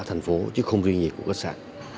thành phố chứ không riêng gì của khách sạn